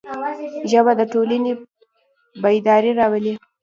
ژبه د ټولنې بیداري راولي